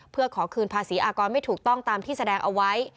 เพื่อขอคืนภาษีอากรไม่ถูกต้องตามที่แสดงเอาไว้